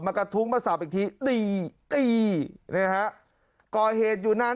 กระทุ้งมาสับอีกทีตีตีนะฮะก่อเหตุอยู่นาน